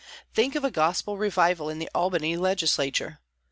Think of a Gospel Revival in the Albany Legislature!